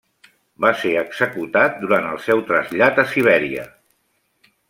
Va ser executat durant el seu trasllat a Sibèria.